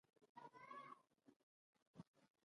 زرګونه سربازان د امپراتوریو تر امر لاندې وو.